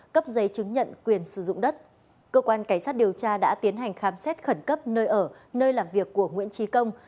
các điều tra đã tiến hành khám xét khẩn cấp nơi ở nơi làm việc của nguyễn trí công